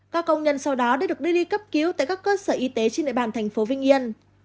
các công nhân sau đó đã được đi đi cấp cứu tại các cơ sở y tế trên nệm bàn thành phố vinh yên